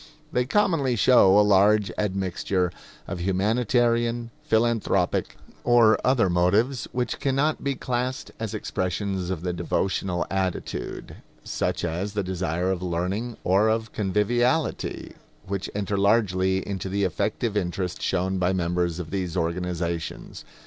They commonly show a large admixture of humanitarian, philanthropic, or other motives which can not be classed as expressions of the devotional attitude; such as the desire of learning or of conviviality, which enter largely into the effective interest shown by members of these organizations.